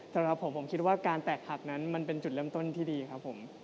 สำหรับผมผมคิดว่าการแตกหักนั้นมันเป็นจุดเริ่มต้นที่ดีครับผม